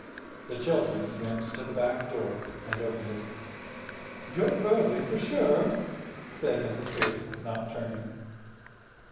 The children went to the back door and opened it. "You're early, for sure," said Mrs. Pearce, not turning.